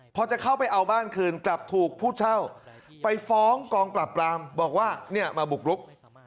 พอจะเข้าไปเอาบ้านคืนกลับถูกผู้เช่าไปฟ้องกองปราบปรามบอกว่าเนี่ยมาบุกรุก